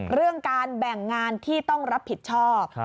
เรื่องการแบ่งงานที่ต้องรับผิดชอบ